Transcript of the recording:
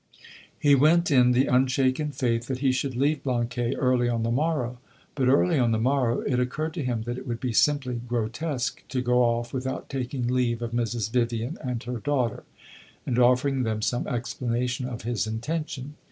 He went in the unshaken faith that he should leave Blanquais early on the morrow. But early on the morrow it occurred to him that it would be simply grotesque to go off without taking leave of Mrs. Vivian and her daughter, and offering them some explanation of his intention.